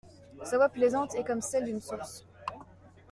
Sa voix plaisante est comme celle d'une source.